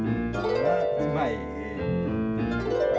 うまい。